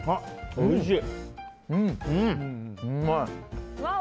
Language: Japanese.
おいしい！